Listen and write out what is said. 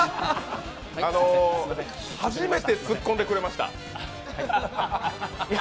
初めてツッコんでくれました。